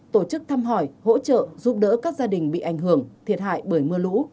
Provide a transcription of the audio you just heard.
tổ chức thăm hỏi hỗ trợ giúp đỡ các gia đình bị ảnh hưởng thiệt hại bởi mưa lũ